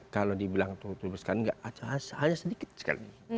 kalau dibilang tuli berat sekarang hanya sedikit sekali